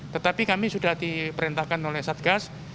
tetapi kami sudah diperintahkan oleh satgas